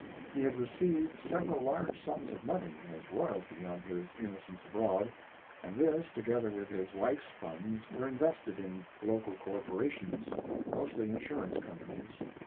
He had received several Mark Twain large sums of money, as royalty on his "Innocents Abroad," and this, together with his wife s funds were invested in local corporations, mostly insurance com panies.